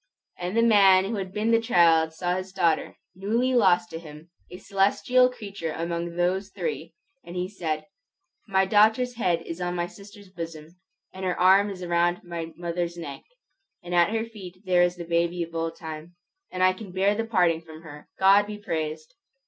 And the man who had been the child saw his daughter, newly lost to him, a celestial creature among those three, and he said, "My daughter's head is on my sister's bosom, and her arm is round my mother's neck, and at her feet there is the baby of old time, and I can bear the parting from her, God be praised!"